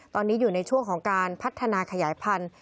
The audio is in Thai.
ตอนนี้อยู่ในช่วงของการพัฒนาขยายพันธุ์